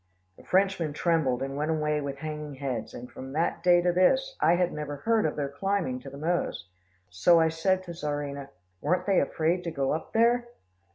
The Frenchmen trembled, and went away with hanging heads, and from that day to this, I had never heard of their climbing to the mows. So I said to Czarina, "Weren't they afraid to go up there?"